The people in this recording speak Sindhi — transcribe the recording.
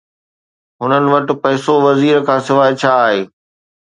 هنن وٽ پئسو وزير کانسواءِ ڇا آهي؟